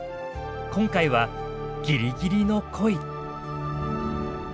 今回は「ギリギリの恋」。